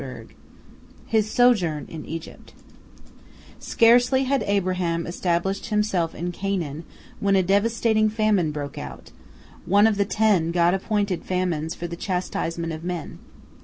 HIS SOJOURN IN EGYPT Scarcely had Abraham established himself in Canaan, when a devastating famine broke out—one of the ten God appointed famines for the chastisement of men.